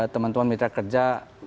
teman teman mitra kerja